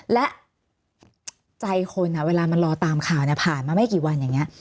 และใจคนเวลามันรอตามข่าวผ่านมาไม่กี่วันอย่างนี้